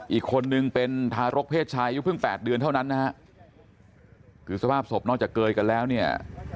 อีกคนนึงเป็นทารกเพศชายอายุเพิ่ง๘เดือนเท่านั้นนะฮะคือสภาพศพนอกจากเกยกันแล้วเนี่ย